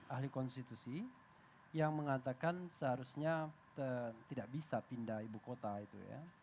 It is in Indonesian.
ahli konstitusi yang mengatakan seharusnya tidak bisa pindah ibu kota itu ya